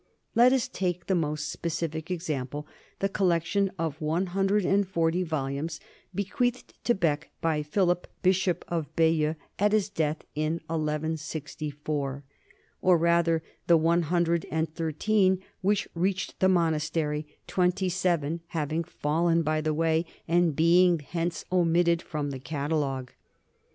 Let us take the most specific example, the collection of one hundred and forty vol umes bequeathed to Bee by Philip, bishop of Bayeux, at his death in 1164, or rather the one hundred and thir teen which reached the monastery, twenty seven having fallen by the way and being hence omitted from the catalogue.